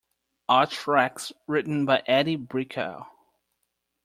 All tracks written by Edie Brickell.